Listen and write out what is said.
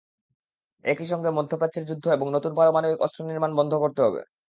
একই সঙ্গে মধ্যপ্রাচ্যের যুদ্ধ এবং নতুন পারমাণবিক অস্ত্র নির্মাণ বন্ধ করতে হবে।